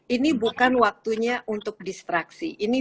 ini bukan waktunya untuk distraksi